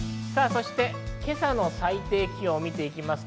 そして今朝の最低気温を見ます。